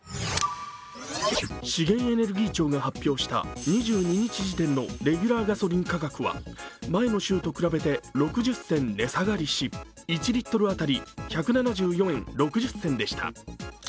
資源エネルギー庁が発表した２２日時点のレギュラーガソリン価格は前の週と比べて６０銭値下がりし、１リットル辺り１７４円６０銭でした。